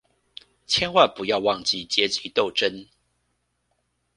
千萬不要忘記階級鬥爭